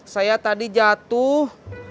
saya tadi jatuh